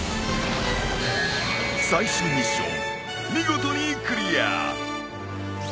最終ミッション見事にクリアー！